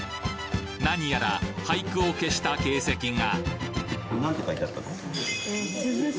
なにやら俳句を消した形跡が？